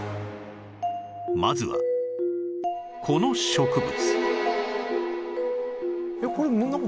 まずはこの植物